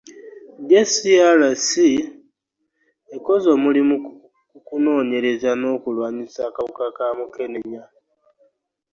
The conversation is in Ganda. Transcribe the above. JCRC ekoze omulimu mu kunoonyereza n'okulwanyisa akawuka ka Mukenenya